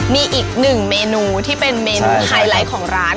มีอีกหนึ่งเมนูที่เป็นเมนูไฮไลท์ของร้าน